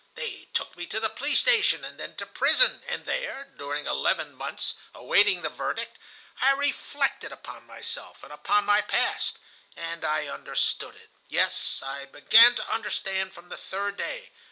They took me to the police station, and then to prison, and there, during eleven months, awaiting the verdict, I reflected upon myself, and upon my past, and I understood it. Yes, I began to understand from the third day.